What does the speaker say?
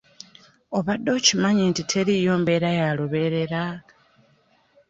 Obadde okimanyi nti teriiyo mbeera ya lubeerera?